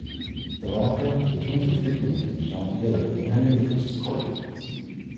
Thereafter the twins were frequently to be found together at Henry the First's court.